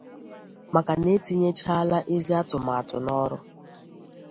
maka na e tinyechaala ezi atụmatụ n'ọrụ